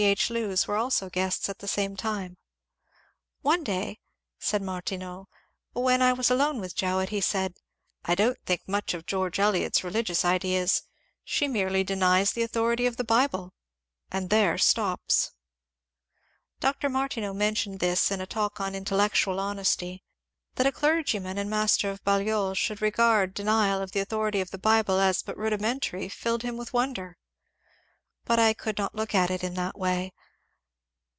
H. Lewes were also guests at the same time. ^^ One day," said Martineau, JAMES MABTINEAU 319 when I was alone with Jowett, he said, ' I don't think much of George Eliot's religious ideas: she merely denies the au thority of the Bible, — and there stops.' " Dr. Martineau mentioned this in a talk on intellectual hon esty. That a clergyman, and master of Balliol, should regard denial of the authority of the Bible as but rudimentary filled him with wonder. But I could not look at it in that way.